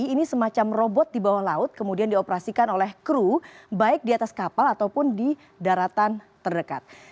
ini semacam robot di bawah laut kemudian dioperasikan oleh kru baik di atas kapal ataupun di daratan terdekat